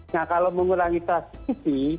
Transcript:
nah kalau mengurangi transmisi